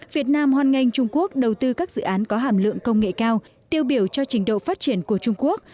việt nam hoan nghênh trung quốc đầu tư các dự án có hàm lượng công nghệ cao tiêu biểu cho trình độ phát triển của trung quốc